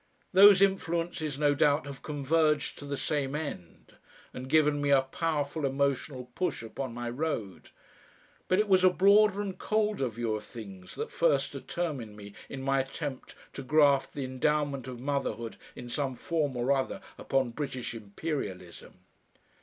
Those influences, no doubt, have converged to the same end, and given me a powerful emotional push upon my road, but it was a broader and colder view of things that first determined me in my attempt to graft the Endowment of Motherhood in some form or other upon British Imperialism.